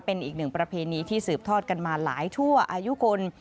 เป็นอีกหนึ่งประเพณีที่สืบทอดกันมาหลายชั่วอายุคน